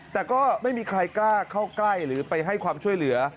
แต่ก็ไม่มีใครกล้าเข้าใกล้หรือไปให้ความช่วยเหลือ